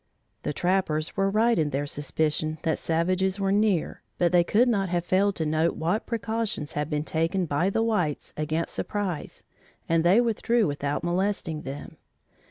The trappers were right in their suspicion that savages were near but they could not have failed to note what precautions had been taken by the whites against surprise and they withdrew without molesting them.